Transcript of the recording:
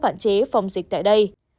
bản chế phòng dịch tại đây